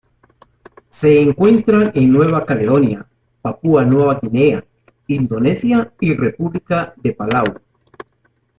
Se encuentran en Nueva Caledonia, Papúa Nueva Guinea, Indonesia y República de Palau.